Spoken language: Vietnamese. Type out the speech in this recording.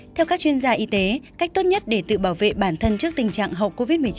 theo các chuyên gia y tế cách tốt nhất để tự bảo vệ bản thân trước tình trạng hậu covid một mươi chín